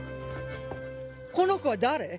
この子は誰？